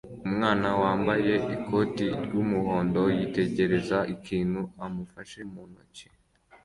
Umwana wambaye ikoti ry'umuhondo yitegereza ikintu amufashe mu ntoki